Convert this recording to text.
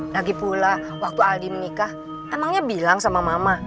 lagi pula waktu aldi menikah emangnya bilang sama mama